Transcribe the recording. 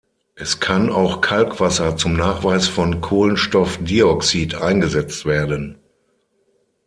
Es kann auch Kalkwasser zum Nachweis von Kohlenstoffdioxid eingesetzt werden.